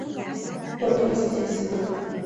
Por ello se suicidó.